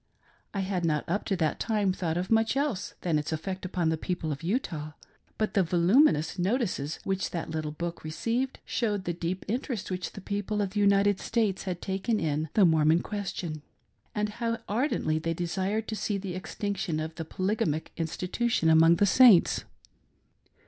I had not, up to that time, thought of much else than its effect upon the people of Utah ; but the voluminous notices which that little book received, showed the deep interest which the people of the United States hadi taken in " the Mormon question," and how ardently they desired to see the extinction of the polygamic institution among the Saints.